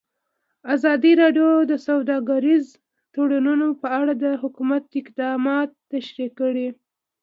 ازادي راډیو د سوداګریز تړونونه په اړه د حکومت اقدامات تشریح کړي.